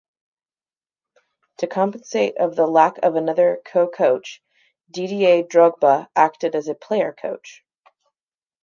To compensate of the lack of another co-coach, Didier Drogba acted as a player-coach.